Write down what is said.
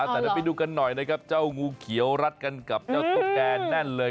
แต่เดี๋ยวไปดูกันหน่อยนะครับเจ้างูเขียวรัดกันกับเจ้าตุ๊กแกแน่นเลย